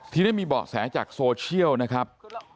ทีนี้มีเบาะแสจากโซเชียลนะครับ